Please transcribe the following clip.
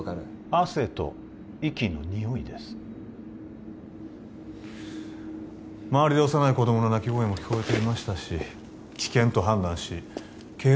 汗と息のにおいです周りで幼い子どもの泣き声も聞こえていましたし危険と判断しけい